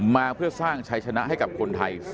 มาเพื่อสร้างชัยชนะให้กับคนไทย